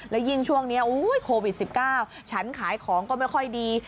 แล้วยิ่งช่วงนี้โควิด๑๙ฉันขายของก็ไม่ค่อยดี